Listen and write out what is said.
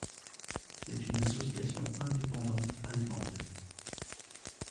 C'est une association indépendante allemande.